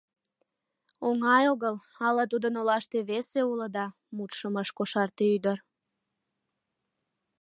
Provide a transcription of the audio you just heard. — Оҥай огыл, ала тудын олаште весе уло да... — мутшым ыш кошарте ӱдыр.